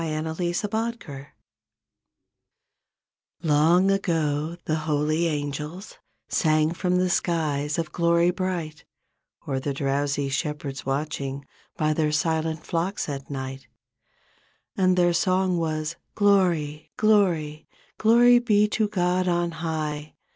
43 CHRISTMAS CAROL Long ago the holy angels Sang from the skies of glory bright, O'er the drowsy shepherds v/atching By their silent flocks at night, And their song was ''Glory, glory. Glory be to God on high.